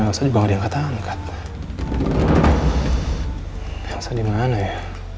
yang saya dimana ya